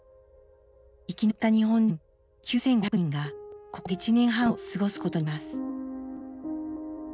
生き残った日本人９，５００人がここで１年半を過ごすことになります。